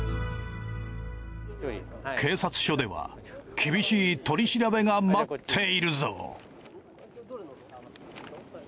警察署では厳しい取り調べが待っているぞ！